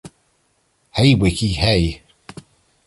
Hey, Wickie, hey!